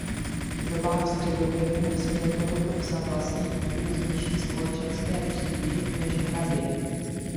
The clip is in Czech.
V dobách středověku nesměl tohoto psa vlastnit nikdo z nižší společenské třídy než hrabě.